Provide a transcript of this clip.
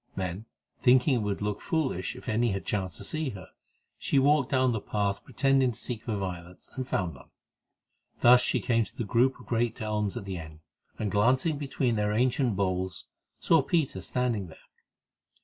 Then, thinking that it would look foolish if any had chanced to see her, she walked down the path pretending to seek for violets, and found none. Thus she came to the group of great elms at the end, and, glancing between their ancient boles, saw Peter standing there.